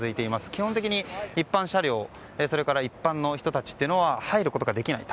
基本的に一般車両それから一般の人たちは入ることができない。